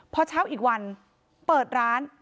พอเช้าอีกวันเปิดร้าน